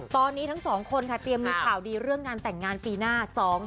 ตอนนี้ทั้งสองคนค่ะเตรียมมีข่าวดีเรื่องงานแต่งงานปีหน้า